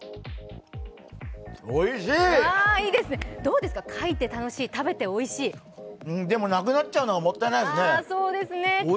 どうですか、書いて楽しい食べて楽しいでもなくなっちゃうのがもったいないですね。